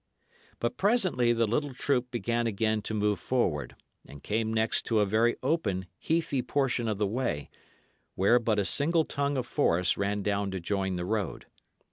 But presently the little troop began again to move forward, and came next to a very open, heathy portion of the way, where but a single tongue of forest ran down to join the road.